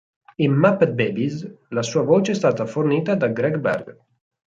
In "Muppet Babies", la sua voce è stata fornita da Greg Berg.